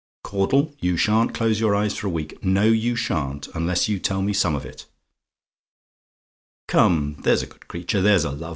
"Caudle, you sha'n't close your eyes for a week no, you sha'n't unless you tell me some of it. Come, there's a good creature; there's a love.